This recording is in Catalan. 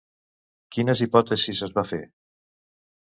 Quines hipòtesis es va fer?